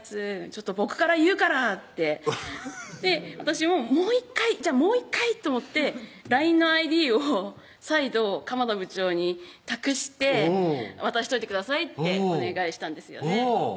ちょっと僕から言うから」って私ももう１回じゃあもう１回と思ってＬＩＮＥのＩＤを再度鎌田部長に託して「渡しといてください」ってお願いしたんですよね